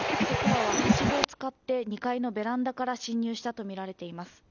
男らは、はしごを使って２階のベランダから侵入したとみられています。